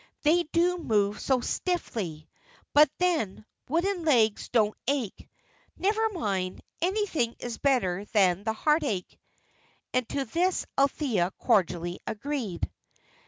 They do move so stiffly; but then, wooden legs don't ache. Never mind; anything is better than the heartache." And to this Althea cordially agreed.